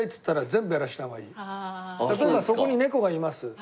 例えばそこに猫がいます。